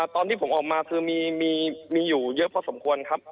ตอนที่ผมออกมาคือมีอยู่เยอะพอสมควรครับ